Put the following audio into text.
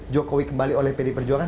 jokowi kembali oleh pd perjuangan